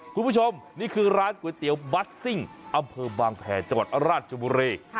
คุณผู้ชมนี่คือร้านก๋วยเตี๋ยวบัสซิ่งอำเภอบางแผ่จังหวัดราชบุรี